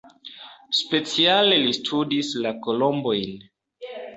Speciale li studis la kolombojn.